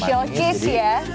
special kiss ya